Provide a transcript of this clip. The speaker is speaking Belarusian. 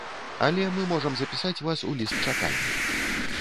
Але мы можам запісаць вас у ліст чакання.